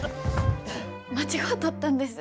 間違うとったんです。